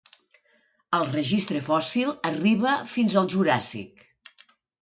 El registre fòssil arriba fins al Juràssic.